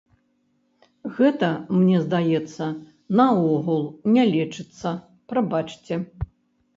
Гэта, мне здаецца, наогул не лечыцца, прабачце.